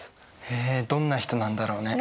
へえどんな人なんだろうね？